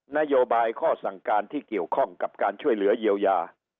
นโยบายข้อสั่งการที่เกี่ยวข้องกับการช่วยเหลือเยียวยา